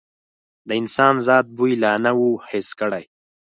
د انسان ذات بوی لا نه و حس کړی.